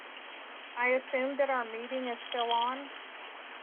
I assume that our meeting is still on?